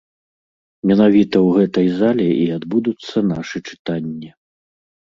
Менавіта ў гэтай зале і адбудуцца нашы чытанні.